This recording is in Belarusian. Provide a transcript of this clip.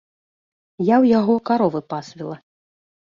Я ў яго каровы пасвіла.